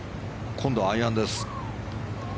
今度はアイアンです。